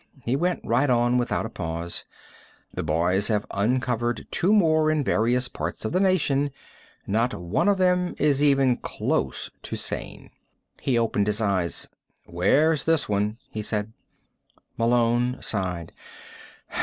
He went right on without a pause: "The boys have uncovered two more in various parts of the nation. Not one of them is even close to sane." He opened his eyes. "Where's this one?" he said. Malone sighed.